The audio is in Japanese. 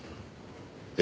え？